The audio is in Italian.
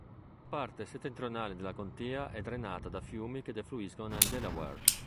La parte settentrionale della contea è drenata da fiumi che defluiscono nel Delaware.